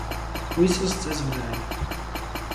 Հույսս ձեզ վրա է: